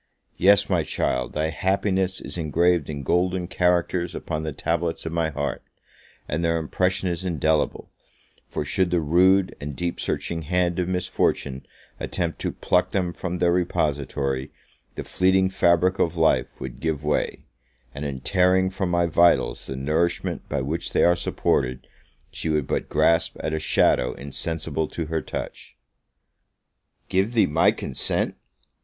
Yes, my child, thy happiness is engraved in golden characters upon the tablets of my heart; and their impression is indelible: for, should the rude and deep searching hand of Misfortune attempt to pluck them from their repository, the fleeting fabric of life would give way; and in tearing from my vitals the nourishment by which they are supported, she would but grasp at a shadow insensible to her touch. Give thee my consent?